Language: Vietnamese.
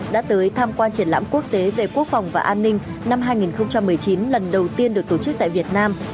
đã tới tham quan triển lãm quốc tế về quốc phòng và an ninh năm hai nghìn một mươi chín lần đầu tiên được tổ chức tại việt nam